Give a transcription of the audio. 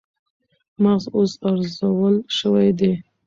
مغز اوس ارزول شوی دی